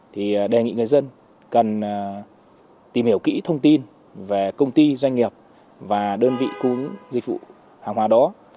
thì đề nghị người dân cần tìm hiểu kỹ thông tin về công ty doanh nghiệp và đơn vị cung ứng dịch vụ hàng hóa đó